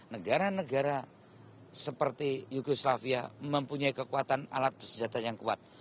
negara negara seperti yugoslavia mempunyai kekuatan alat bersenjata yang kuat